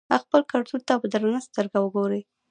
خپل کلتور ته په درنه سترګه وګورئ.